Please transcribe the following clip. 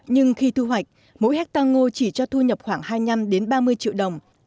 nhưng khi thu hoạch mỗi hectare ngô chỉ cho thu nhập khoảng hai mươi năm ba mươi triệu đồng